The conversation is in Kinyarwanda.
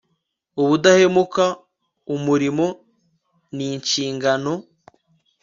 ubudahemuka, umurimo n'inshingano